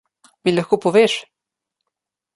Mi lahko poveš?